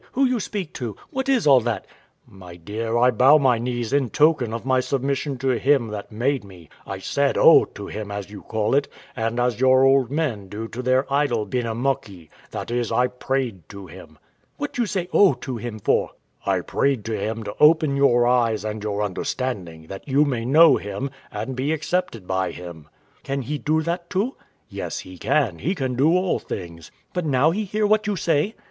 Who you speak to? What is all that? W.A. My dear, I bow my knees in token of my submission to Him that made me: I said O to Him, as you call it, and as your old men do to their idol Benamuckee; that is, I prayed to Him. Wife. What say you O to Him for? W.A. I prayed to Him to open your eyes and your understanding, that you may know Him, and be accepted by Him. Wife. Can He do that too? W.A. Yes, He can: He can do all things. Wife. But now He hear what you say?